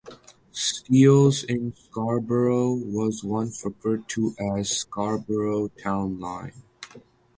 Steeles in Scarborough was once referred to as Scarborough Town Line.